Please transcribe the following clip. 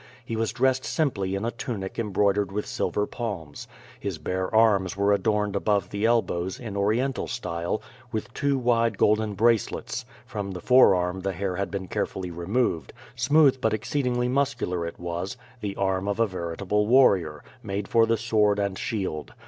He was dressed simply in a tunic embroidered with silver palms. His bare arms were adorned above the elbows, in Oriental style, with two wide golden bracelets; from the forearm the hair had been carefully removed — smooth but exceedingly muscular it 58 QUO VADI8, was, the arm of a veritable warrior, made for the sword and shield.